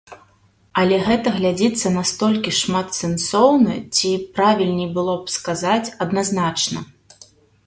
Але гэта глядзіцца настолькі шматсэнсоўна ці, правільней было б сказаць, адназначна.